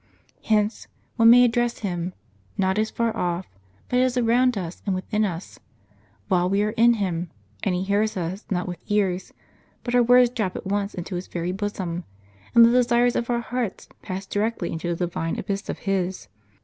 Hence, one may address Him, not as far off, but as around us and within us, while we are in Him ; and He hears us not with ears, but our words drop at once into His very bosom, and the desires of our hearts pass directly into the divine abyss of His."